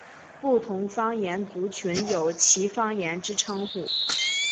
不同方言族群有其方言之称呼。